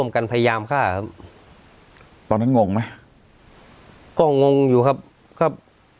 กันพยายามฆ่าครับตอนนั้นงงไหมก็งงอยู่ครับครับ